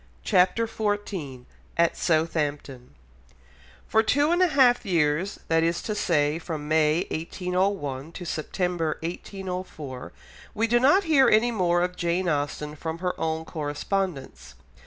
CHAPTER XIV AT SOUTHAMPTON For two and a half years, that is to say from May 1801 to September 1804, we do not hear any more of Jane Austen from her own correspondence.